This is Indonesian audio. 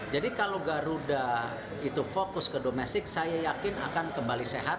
jadi kalau garuda itu fokus ke domestic saya yakin akan kembali sehat